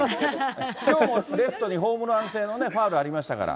きょうもレフトにホームラン性のファウルありましたから。